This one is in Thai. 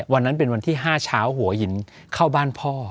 วันนั้นเป็นวันที่๕เช้าหัวหินเข้าบ้านพ่อ